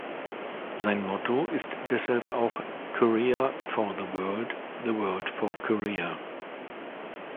Sein Motto ist deshalb auch „Korea for the World, the World for Korea“.